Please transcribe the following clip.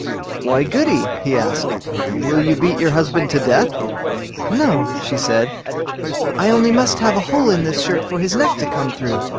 "Why, Goody!" he asked, "will you beat your husband to death?" "No", she said, "I only must have a hole in this shirt for his neck to come through."